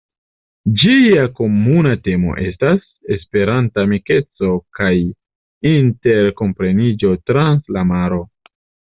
Ĝia komuna temo estas "Esperanta amikeco kaj interkompreniĝo trans la maro".